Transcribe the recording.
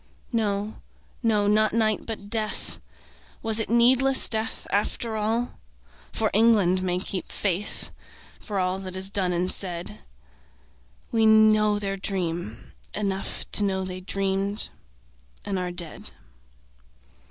No, no, not night but death; Was it needless death after all? For England may keep faith For all that is done and said. We know their dream; enough To know they dreamed and are dead.